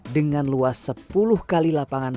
dengan luas sepuluh kali lapangan